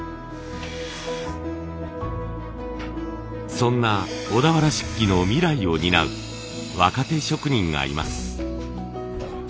そんな小田原漆器の未来を担う若手職人がいます。